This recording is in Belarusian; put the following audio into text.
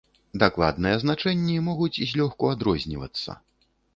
Дакладныя значэнні могуць злёгку адрознівацца.